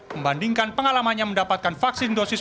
membandingkan pengalamannya mendapatkan vaksin dosis